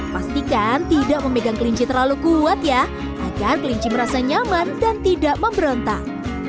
pastikan tidak memegang kelinci terlalu kuat ya agar kelinci merasa nyaman dan tidak memberontak